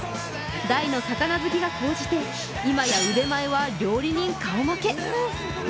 大の魚好きが高じて、今や腕前は料理人顔負け。